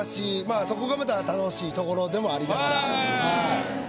そこがまた楽しいところでもありながらはい。